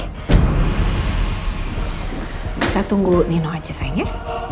kita tunggu nino aja sayang ya